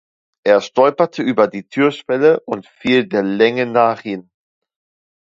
Er stolperte über die Türschwelle und fiel der Länge nach hin.